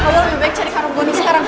kamu lebih baik cari karun boni sekarang